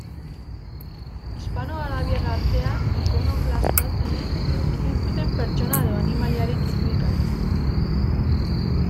Hispano-arabiar artea ikonoklasta zenez, ezin zuten pertsona edo animaliarik irudikatu.